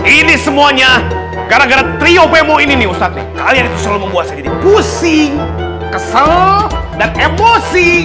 ini semuanya gara gara trio pemo ini nih ustadz nih kalian itu selalu membuat saya jadi pusing kesel dan emosi